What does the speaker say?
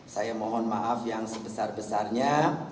saya mohon maaf yang sebesar besarnya